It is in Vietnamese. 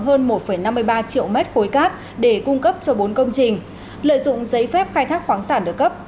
hơn một năm mươi ba triệu mét khối cát để cung cấp cho bốn công trình lợi dụng giấy phép khai thác khoáng sản được cấp